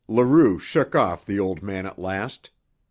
Leroux shook off the old man at last.